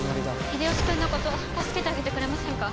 秀吉君のこと助けてあげてくれませんか？